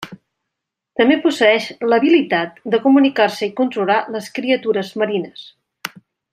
També posseeix l'habilitat de comunicar-se i controlar les criatures marines.